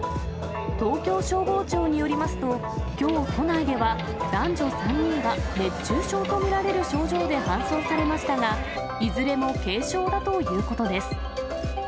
東京消防庁によりますと、きょう都内では、男女３人が熱中症と見られる症状で搬送されましたが、いずれも軽症だということです。